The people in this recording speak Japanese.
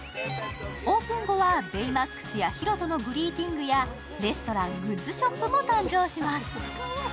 オープン後はベイマックスやヒロとのグリーティングやレストラン、グッズショップも誕生します。